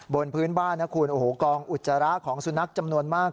บนพื้นบ้านนะคุณโอ้โหกองอุจจาระของสุนัขจำนวนมาก